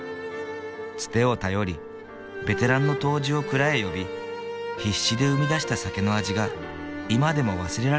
つてを頼りベテランの杜氏を蔵へ呼び必死で生み出した酒の味が今でも忘れられないという。